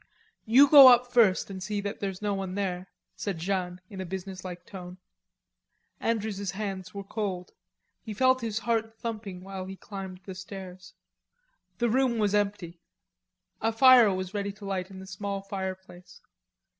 "You go up first and see that there's no one there," said Jeanne in a business like tone. Andrews's hands were cold. He felt his heart thumping while he climbed the stairs. The room was empty. A fire was ready to light in the small fireplace.